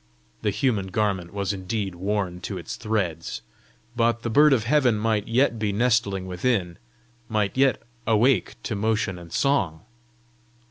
The human garment was indeed worn to its threads, but the bird of heaven might yet be nestling within, might yet awake to motion and song!